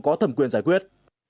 có thẩm quyền giải quyết